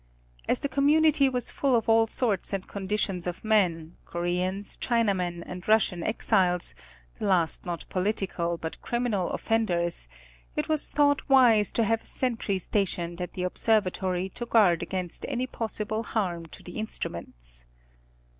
As the com munity was full of all sorts and conditions of men, Koreans, Chinamen and Russian exiles, the last not political but criminal offenders ; it was thought wise to have a sentry stationed at the observatory to guard against any possible harm to the instru ments.